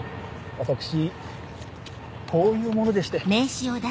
私こういう者でして。